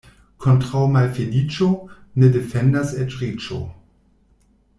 Kontraŭ malfeliĉo ne defendas eĉ riĉo.